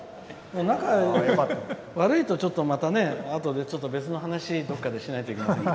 仲、悪いと、ちょっとまたねあとで、ちょっと別の話どっかでしないといけない。